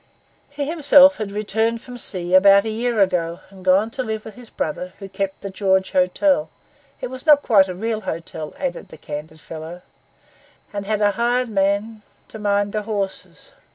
He himself had returned from sea about a year ago and gone to live with his brother, who kept the 'George Hotel'—'it was not quite a real hotel,' added the candid fellow—'and had a hired man to mind the horses.